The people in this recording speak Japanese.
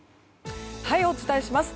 お伝えします。